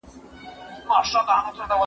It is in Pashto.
که وخت وي، قلم استعمالوموم؟!